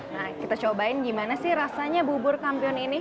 nah kita cobain gimana sih rasanya bubur kampiun ini